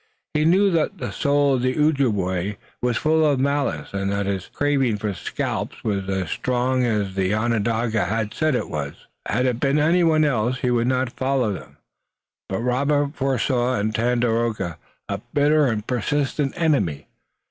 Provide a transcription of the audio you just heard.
He knew that the soul of the Ojibway was full of malice and that his craving for scalps was as strong as the Onondaga had said it was. Had it been anyone else he would not follow them, but Robert foresaw in Tandakora a bitter and persistent enemy.